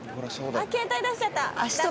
あっ携帯出しちゃった。